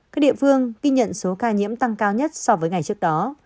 các địa phương ghi nhận số ca nhiễm tăng cao nhất so với ngày trước đó